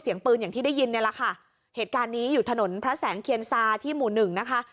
เสียงปืนอย่างที่ได้ยินเนี่ยแหละค่ะเหตุการณ์นี้อยู่ถนนพระแสงเคียนซาที่หมู่หนึ่งนะคะ